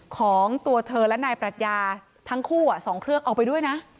ของตัวเธอและนายปรัชญาทั้งคู่๒เครื่องเอาไปด้วยนะ